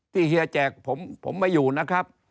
ที่เฮียแจกผมมาอยู่นะครับ